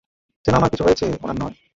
যেন আমার কিছু হয়েছে ওনার নয়।